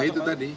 ya itu tadi